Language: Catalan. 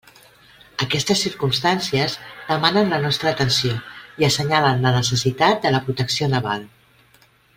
Aquestes circumstàncies demanen la nostra atenció i assenyalen la necessitat de la protecció naval.